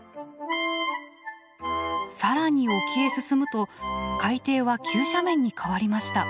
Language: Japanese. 更に沖へ進むと海底は急斜面に変わりました。